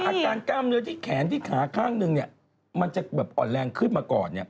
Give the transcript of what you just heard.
กล้ามเนื้อที่แขนที่ขาข้างหนึ่งมันจะแบบอ่อนแรงขึ้นมาก่อน